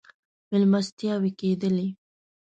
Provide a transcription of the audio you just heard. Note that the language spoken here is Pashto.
مېلمستیاوې کېدلې.